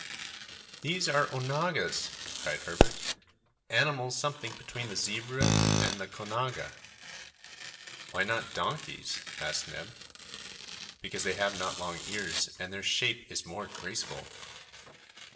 "These are onagas!" cried Herbert, "animals something between the zebra and the conaga!" "Why not donkeys?" asked Neb. "Because they have not long ears, and their shape is more graceful!"